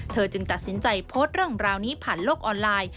จึงตัดสินใจโพสต์เรื่องราวนี้ผ่านโลกออนไลน์